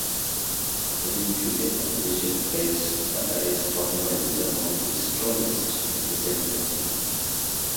According to the Associated Press Banderas' performance is among his strongest in recent memory.